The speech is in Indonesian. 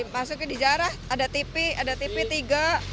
masukin di jarah ada tv ada tv tiga